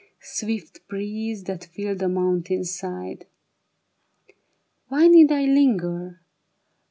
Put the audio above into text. Swift breeze that filled the mountain side. Why need I linger